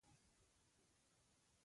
وړې وړې جنکۍ دمبۍ کوي او نور تیږه غورځوي.